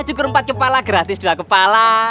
cukur empat kepala gratis dua kepala